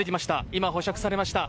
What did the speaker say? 今、保釈されました。